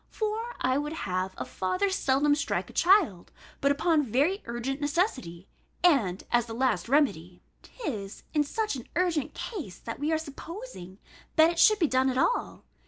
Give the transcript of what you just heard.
For I would have a father seldom strike a child, but upon very urgent necessity, and as the last remedy." 'Tis in such an urgent case that we are supposing that it should be done at all.